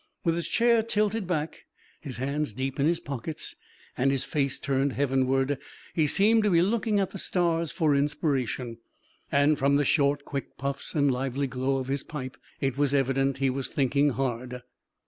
With his chair tilted back, his hands deep in his pockets and his face turned heavenward he seemed to be looking at the stars for inspiration, and from the short, quick puffs and lively glow of his pipe, it was evident he was thinking hard.